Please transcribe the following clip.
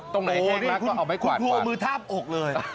ต้องไหนแห้งมักก็เอามากวาดผวัดคุณพลวงมือทาบออกเลย